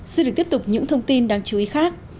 xin được tiếp tục những thông tin đáng chú ý khác